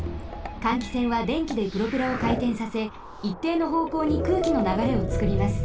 換気扇はでんきでプロペラをかいてんさせいっていのほうこうに空気のながれをつくります。